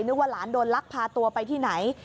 ว่าหลานโดนลักพาตัวไปที่ไหน